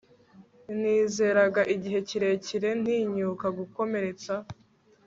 nizeraga igihe kirekire, ntinyuka gukomeretsa